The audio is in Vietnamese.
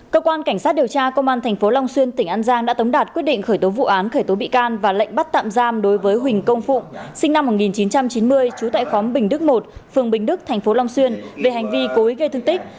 cơ quan cảnh sát điều tra công an tp long xuyên tỉnh an giang đã tống đạt quyết định khởi tố vụ án khởi tố bị can và lệnh bắt tạm giam đối với huỳnh công phụng sinh năm một nghìn chín trăm chín mươi trú tại khóm bình đức một phường bình đức tp long xuyên về hành vi cối gây thương tích